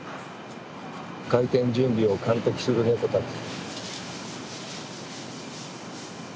開店準備を監督するネコたち。